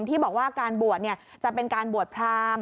ที่บอกว่าการบวชจะเป็นการบวชพราม